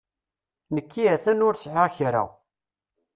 Nekki a-t-an ur sɛiɣ kra.